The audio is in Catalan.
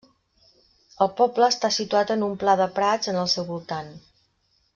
El poble està situat en un pla de prats en el seu voltant.